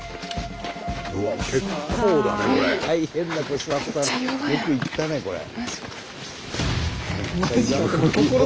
よく行ったねこれ。